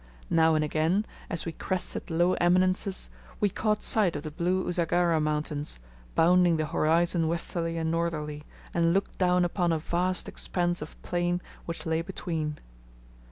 Now and again, as we crested low eminences we caught sight of the blue Usagara mountains, bounding the horizon westerly and northerly, and looked down upon a vast expanse of plain which lay between.